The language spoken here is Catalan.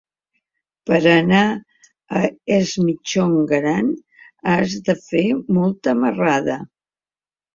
Per anar a Es Migjorn Gran has de fer molta marrada.